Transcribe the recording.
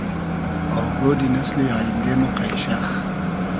آوگۉۮی نئسلی آییندې مۉ قݷشئخ